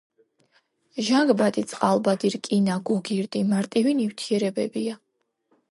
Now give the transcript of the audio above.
ჟანგბადი, წყალბადი, რკინა, გოგირდი მარტივი ნივთიერებებია.